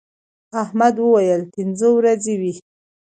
احمد وويل: پینځه ورځې وې.